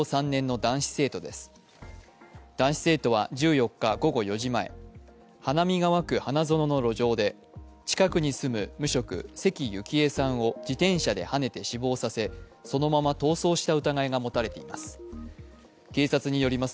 男子生徒は１４日午後４時前、花見川区花園の路上で、近くに住む無職・関ゆきえさんを自転車ではねて死亡させそのまま逃走した疑いが持たれています。